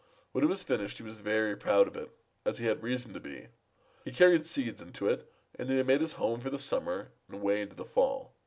When it was finished, he was very proud of it, as he had reason to be. He carried seeds into it, and then he made it his home for the summer and way into the fall.